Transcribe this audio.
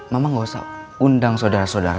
mama gak usah undang saudara saudara